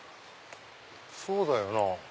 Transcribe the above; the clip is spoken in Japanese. そうだよな。